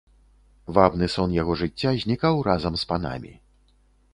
Вабны сон яго жыцця знікаў разам з панамі.